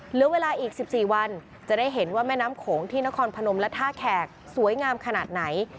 เหลือเวลาอีก๑๔วันจะได้เห็นว่าแม่น้ำโขงที่นครพนมและท่าแขกสวยงามขนาดไหน